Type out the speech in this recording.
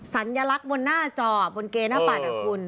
สัญลักษณ์บนหน้าจบนเกณหน้าปัดอ่ะคุณ